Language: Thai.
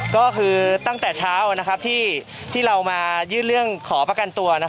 ก็คือตั้งแต่เช้าที่เรามายื่นเรื่องขอประกันตัว